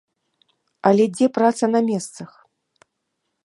Але дзе праца на месцах?